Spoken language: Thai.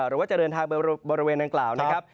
หรือว่าจะเดินทางบริเวณอังกฤษนะครับ